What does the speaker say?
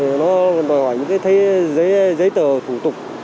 nó đòi hỏi những cái giấy tờ thủ tục